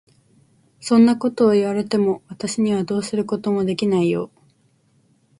そんなことを言われても、私にはどうすることもできないよ。